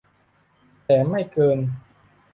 แต่ไม่เกิน